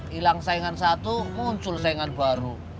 hilang saingan satu muncul saingan baru